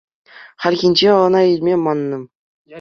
Хальхинче ӑна илме маннӑ.